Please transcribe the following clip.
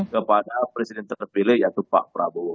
kepada presiden terpilih yaitu pak prabowo